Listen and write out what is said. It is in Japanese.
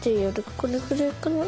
このくらいかな？